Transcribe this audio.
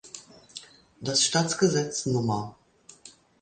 Das Staatsgesetz Nr.